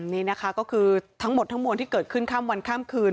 นี่นะคะก็คือทั้งหมดทั้งมวลที่เกิดขึ้นข้ามวันข้ามคืน